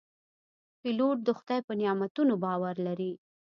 پیلوټ د خدای په نعمتونو باور لري.